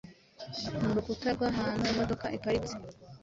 murukuta rw'ahantu imodoka iparitse